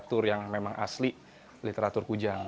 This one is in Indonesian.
liteur yang memang asli literatur kujang